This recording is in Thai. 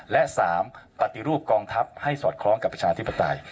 และ๓ปฏิรูปกองทัพให้สอดคล้องกับประชาธิปไตย